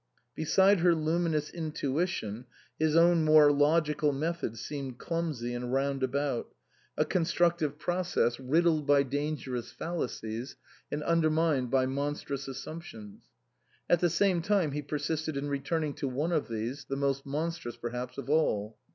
Beside her luminous intuition his own more logical method seemed clumsy and roundabout, a constructive process 107 THE COSMOPOLITAN riddled by dangerous fallacies and undermined by monstrous assumptions. At the same time he persisted in returning to one of these, the most monstrous perhaps of all.